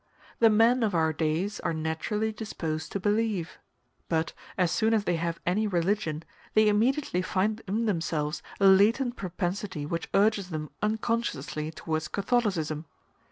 The men of our days are naturally disposed to believe; but, as soon as they have any religion, they immediately find in themselves a latent propensity which urges them unconsciously towards Catholicism.